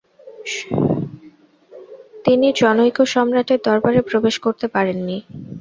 তিনি চৈনিক সম্রাটের দরবারে প্রবেশ করতে পারেননি।